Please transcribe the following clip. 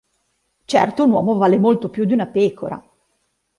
Certo un uomo vale molto più di una pecora!